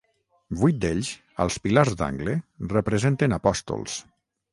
Vuit d'ells, als pilars d'angle, representen apòstols.